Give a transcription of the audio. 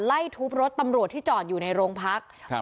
ไล่ทุบรถตำรวจที่จอดอยู่ในโรงพักครับ